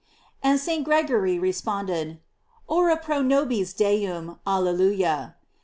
And St. Gregory responded: "Ora pro nobis Deum, Alleluia."